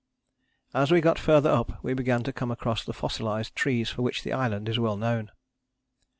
As we got further up we began to come across the fossilized trees for which the island is well known.